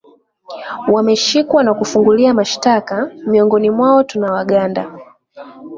wameshikwa na kufungulia mashitaka miongoni mwao tuna waganda